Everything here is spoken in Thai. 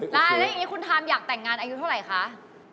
แล้วอย่างนี้คุณทามอยากแต่งงานอายุเท่าไหร่คะ